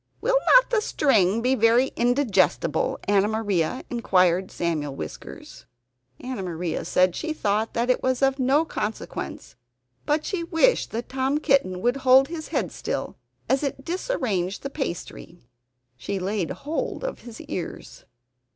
"Will not the string be very indigestible, Anna Maria?" inquired Samuel Whiskers. Anna Maria said she thought that it was of no consequence; but she wished that Tom Kitten would hold his head still, as it disarranged the pastry. She laid hold of his ears.